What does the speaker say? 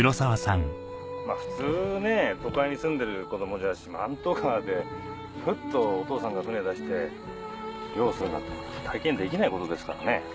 まぁ普通ね都会に住んでる子供じゃ四万十川でふっとお父さんが船出して漁するなんて体験できないことですからね。